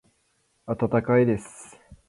温かいです。